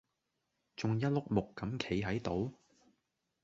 仲一碌木咁企喺度？